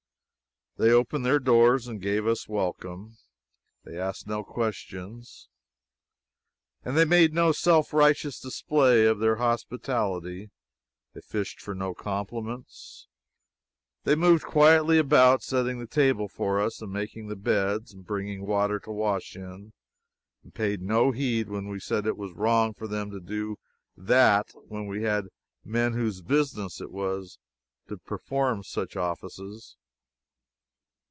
They opened their doors and gave us welcome. They asked no questions, and they made no self righteous display of their hospitality. They fished for no compliments. They moved quietly about, setting the table for us, making the beds, and bringing water to wash in, and paid no heed when we said it was wrong for them to do that when we had men whose business it was to perform such offices.